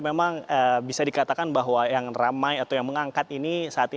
memang bisa dikatakan bahwa yang ramai atau yang mengangkat ini saat ini